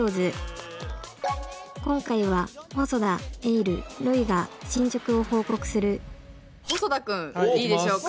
今回は細田ｅｉｌｌロイが進捗を報告する細田君いいでしょうか？